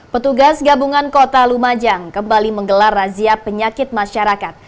petugas gabungan kota lumajang kembali menggelar razia penyakit masyarakat